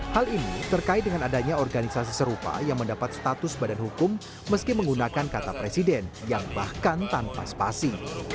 hal ini terkait dengan adanya organisasi serupa yang mendapat status badan hukum meski menggunakan kata presiden yang bahkan tanpa spasi